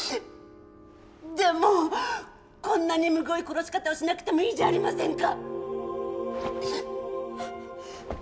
でもこんなにむごい殺し方をしなくてもいいじゃありませんか！